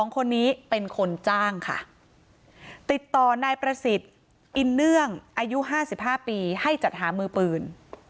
๒คนนี้เป็นคนจ้างค่ะติดต่อนายประสิทธิ์อินเนื่องอายุ๕๕ปีให้จัดหามือปืน